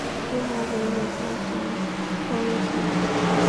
"Game Over" was mostly well received.